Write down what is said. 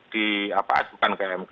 di apa adukan kmk